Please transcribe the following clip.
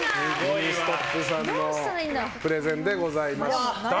ミニストップさんのプレゼンでございました。